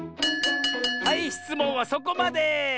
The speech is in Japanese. はいしつもんはそこまで！